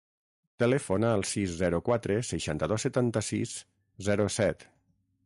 Telefona al sis, zero, quatre, seixanta-dos, setanta-sis, zero, set.